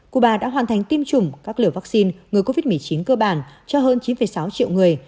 cuba đã hoàn thành tiêm chủng các liều vaccine ngừa covid một mươi chín cơ bản cho hơn chín sáu triệu người